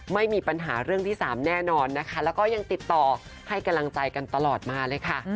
ไม่มีปัญหาเรื่องที่๓แน่นอนนะคะแล้วก็ยังติดต่อให้กำลังใจกันตลอดมาเลยค่ะ